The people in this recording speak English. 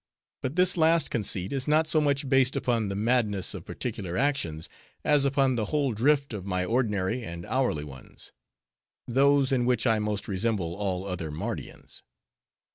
But this last conceit is not so much based upon the madness of particular actions, as upon the whole drift of my ordinary and hourly ones; those, in which I most resemble all other Mardians.